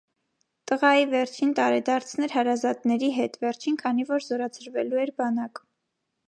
Տղայի վերջին տարեդարձներ հարազատների հետ( վերջին քանի որ զորացրվելու էր բանակ)։